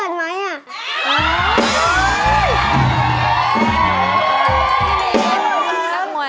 พี่เดงนั่นเขาเลย